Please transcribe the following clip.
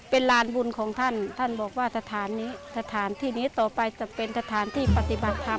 เป็นลานบุญของท่านท่านบอกว่าสถานีสถานที่นี้ต่อไปจะเป็นสถานที่ปฏิบัติธรรม